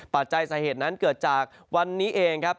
ปัจจัยสาเหตุนั้นเกิดจากวันนี้เองครับ